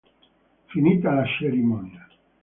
Finita la cerimonia.